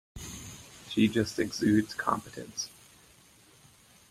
She just exudes competence.